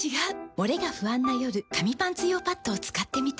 モレが不安な夜紙パンツ用パッドを使ってみた。